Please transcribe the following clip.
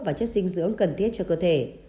và chất dinh dưỡng cần thiết cho cơ thể